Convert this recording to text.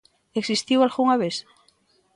Existiu algunha vez?